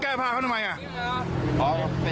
เออ